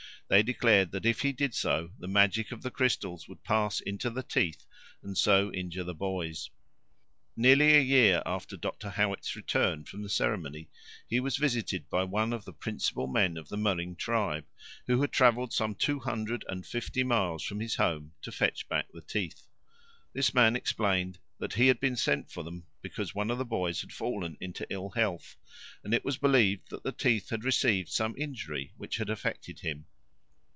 They declared that if he did so the magic of the crystals would pass into the teeth, and so injure the boys. Nearly a year after Dr. Howitt's return from the ceremony he was visited by one of the principal men of the Murring tribe, who had travelled some two hundred and fifty miles from his home to fetch back the teeth. This man explained that he had been sent for them because one of the boys had fallen into ill health, and it was believed that the teeth had received some injury which had affected him.